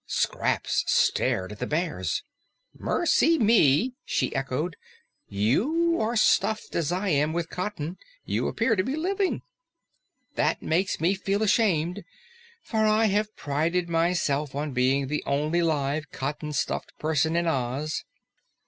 Scraps stared at the bears. "Mercy me!" she echoed, "You are stuffed, as I am, with cotton, and you appear to be living. That makes me feel ashamed, for I have prided myself on being the only live cotton stuffed person in Oz."